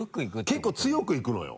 結構強くいくのよ。